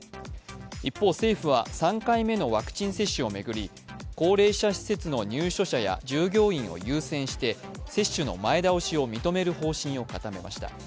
一方政府は、３回目のワクチン接種を巡り高齢者施設の入所者や従業員を優先して接種の前倒しを認める方針を固めました。